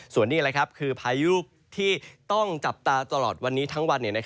ส่วนนี้คือพายุที่ต้องจับตาตลอดวันนี้ทั้งวัน